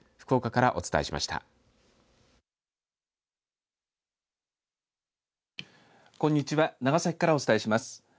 長崎からお伝えします。